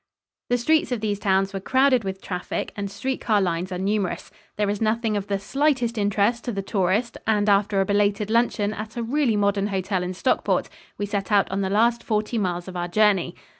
The streets of these towns were crowded with traffic and streetcar lines are numerous. There is nothing of the slightest interest to the tourist, and after a belated luncheon at a really modern hotel in Stockport, we set out on the last forty miles of our journey.